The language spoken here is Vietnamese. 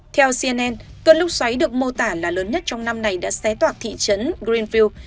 theo cnn cơn lúc xoáy được mô tả là lớn nhất trong năm này đã xé toạc thị trấn greenfield